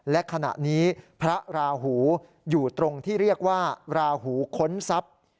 และขณะนี้พระราหูอยู่ตรงที่เรียกว่าราหูค้นทรัพย์